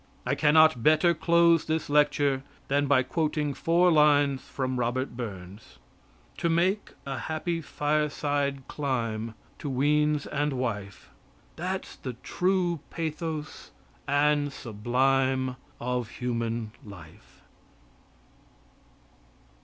I cannot better close this lecture than by quoting four lines from Robert Burns: "To make a happy fireside clime To weans and wife That's the true pathos and sublime Of human life."